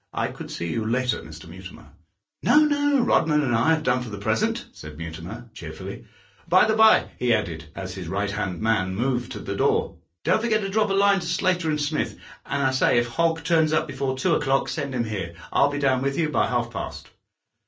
'I could see you later, Mr. Mutimer.' 'No, no; Rodman and I have done for the present,' said Mutimer, cheerfully. 'By the by,' he added, as his right hand man moved to the door, 'don't forget to drop a line to Slater and Smith. And, I say, if Hogg turns up before two o'clock, send him here; I'll be down with you by half past.